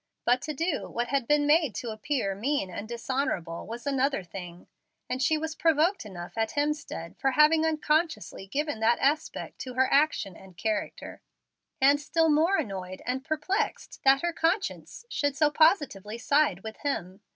But to do what had been made to appear mean and dishonorable was another thing, and she was provoked enough at Hemstead for having unconsciously given that aspect to her action and character, and still more annoyed and perplexed that her conscience should so positively side with him.